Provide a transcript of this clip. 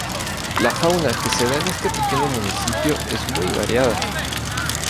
La fauna que se da en este pequeño municipio es muy variada.